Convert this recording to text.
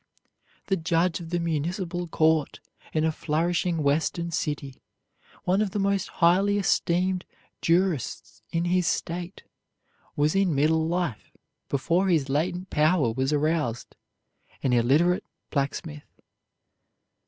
The judge of the municipal court in a flourishing western city, one of the most highly esteemed jurists in his state, was in middle life, before his latent power was aroused, an illiterate blacksmith.